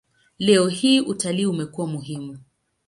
Leo hii utalii umekuwa muhimu.